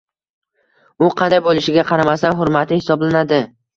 U qanday bo‘lishiga qaramasdan hurmati hisoblanadi.